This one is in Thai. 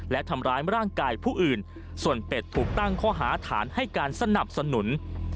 และทำร้ายร่างกายผู้อื่นส่วนเป็ดถูกตั้งข้อหาฐานให้การสนับสนุน